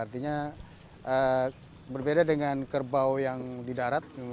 artinya berbeda dengan kerbau yang di darat